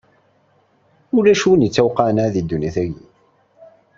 Wa d adlis.